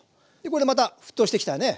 これでまた沸騰してきたよね。